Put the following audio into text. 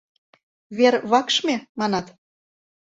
Вер вакшме, манат?